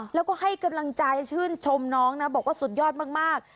แล้วก็ให้กำลังใจชื่นชมน้องนะบอกว่าสุดยอดมาก